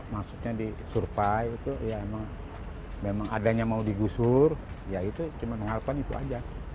maksudnya disurpay itu ya memang adanya mau digusur ya itu cuma mengharapkan itu aja